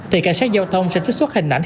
thì cảnh sát giao thông sẽ trích xuất hình ảnh